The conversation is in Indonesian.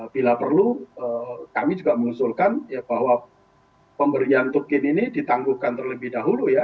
bila perlu kami juga mengusulkan ya bahwa pemberian tukin ini ditangguhkan terlebih dahulu ya